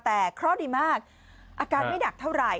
แต่เคราะห์ดีมากอาการไม่หนักเท่าไหร่